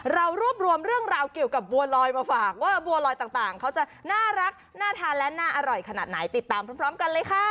เรารวบรวมเรื่องราวเกี่ยวกับบัวลอยมาฝากว่าบัวลอยต่างเขาจะน่ารักน่าทานและน่าอร่อยขนาดไหนติดตามพร้อมกันเลยค่ะ